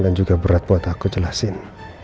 dan juga berat buat aku jelasin